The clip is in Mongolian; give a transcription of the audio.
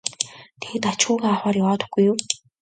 тэгээд ач хүүгээ авахаар яваад өгөхгүй юу.